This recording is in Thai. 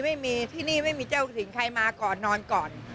ไม่มีที่นี่ไม่มีเจ้าถิ่นใครมาก่อนนอนก่อน